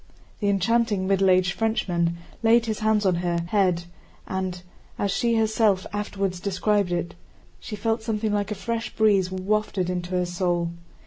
The enchanting, middle aged Frenchman laid his hands on her head and, as she herself afterward described it, she felt something like a fresh breeze wafted into her soul.